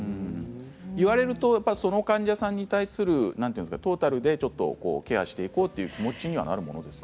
言われるとその患者さんに対するトータルでケアしていこうという気持ちにはなるんですか。